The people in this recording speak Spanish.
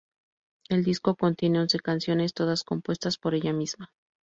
El disco contiene once canciones, todas compuestas por ella misma.